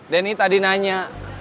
denny tadi nanya